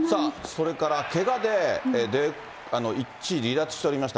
それで、けがで一時離脱しておりました